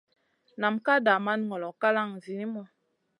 Nam ka daman ŋolo kalang zinimu.